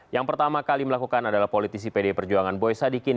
yang pertama kali melakukan adalah politisi pd perjuangan boy sadikin